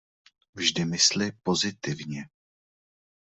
Vždy mysli pozitivně.